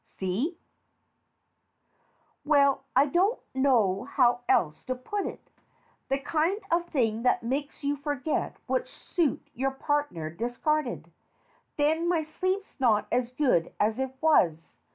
See ? Well, I don't know how else to put it. The kind of thing that makes you forget which suit your partner discarded. Then, my sleep's not as good as it was.